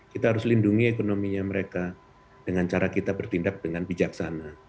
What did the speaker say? kita harus lindungi ekonominya mereka dengan cara kita bertindak dengan bijaksana